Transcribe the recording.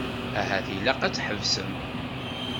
Ahat ilaq ad tḥebsem.